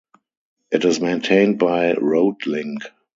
It is maintained by RoadLink.